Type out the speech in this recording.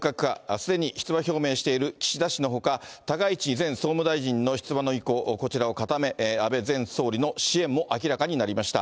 すでに出馬表明している岸田氏のほか、高市前総務大臣の出馬の意向、こちらを固め、安倍前総理の支援も明らかになりました。